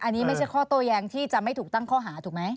อันนี้ไม่ใช่ข้อโต้แย้งที่จะไม่ถูกตั้งข้อหาถูกไหม